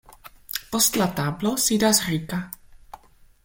Post la tablo sidas Rika.